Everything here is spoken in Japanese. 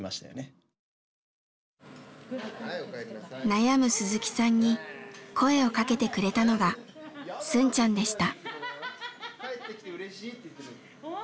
悩む鈴木さんに声を掛けてくれたのがスンちゃんでした。